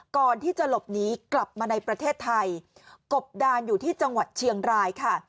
ก่อนที่จะหลบหนีกลับมาในประเทศไทยกบดานอยู่ที่จังหวัดเชียงรายค่ะ